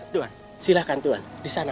tuhan silahkan tuhan di sana